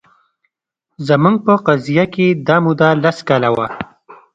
زموږ په قضیه کې دا موده لس کاله وه